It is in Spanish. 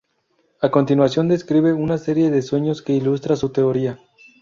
A continuación describe una serie de sueños que ilustran su teoría.